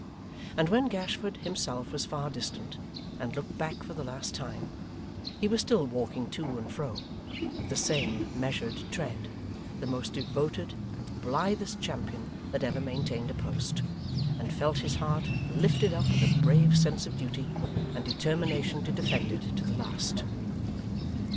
And when Gashford himself was far distant, and looked back for the last time, he was still walking to and fro, with the same measured tread; the most devoted and the blithest champion that ever maintained a post, and felt his heart lifted up with a brave sense of duty, and determination to defend it to the last.